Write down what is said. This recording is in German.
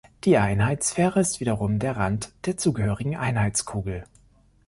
Die Einheitssphäre ist wiederum der Rand der zugehörigen Einheitskugel.